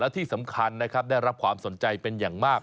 ที่สำคัญนะครับได้รับความสนใจเป็นอย่างมาก